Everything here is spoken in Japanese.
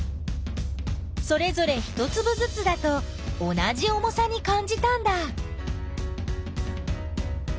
それぞ一つぶずつだと同じ重さにかんじたんだ。